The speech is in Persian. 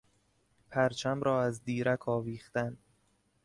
پرچم را از دیرک آویختن